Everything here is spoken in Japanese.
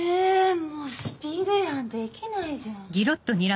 もうスピード違反できないじゃん。